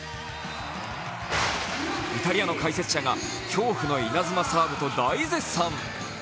イタリアの解説者が恐怖の稲妻サーブと大絶賛。